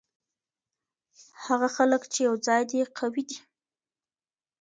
هغه خلګ چي یو ځای دي قوي دي.